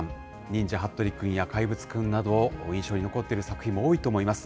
忍者ハットリくんや怪物くんなど、印象に残っている作品も多いと思います。